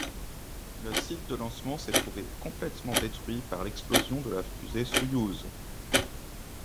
Le site de lancement s'est trouvé complètement détruit par l'explosion de la fusée Soyouz.